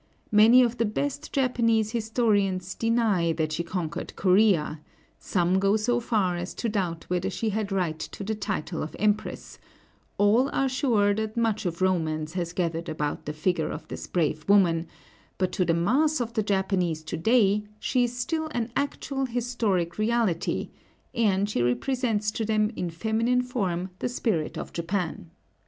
Many of the best Japanese historians deny that she conquered Corea; some go so far as to doubt whether she had right to the title of Empress; all are sure that much of romance has gathered about the figure of this brave woman; but to the mass of the Japanese to day, she is still an actual historic reality, and she represents to them in feminine form the Spirit of Japan.